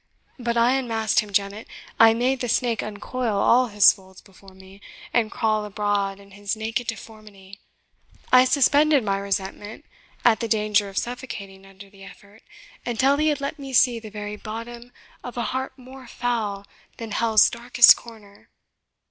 But I unmasked him, Janet I made the snake uncoil all his folds before me, and crawl abroad in his naked deformity; I suspended my resentment, at the danger of suffocating under the effort, until he had let me see the very bottom of a heart more foul than hell's darkest corner.